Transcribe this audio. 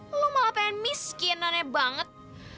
lo malah pengen miskin nane banget